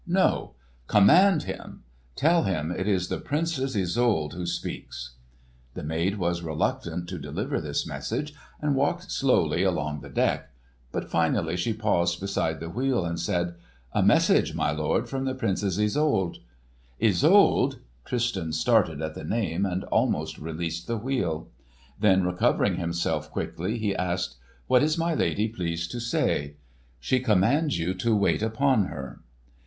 "No. Command him! Tell him it is the Princess Isolde who speaks!" The maid was reluctant to deliver this message, and walked slowly along the deck. But finally she paused beside the wheel and said: "A message, my lord, from the Princess Isolde." "Isolde!" Tristan started at the name and almost released the wheel. Then recovering himself quickly he asked; "What is my lady pleased to say?" "She commands you to wait upon her."